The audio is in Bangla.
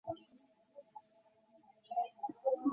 ধরা পড়ার শখ জাগলে, বকবক করতে থাকো।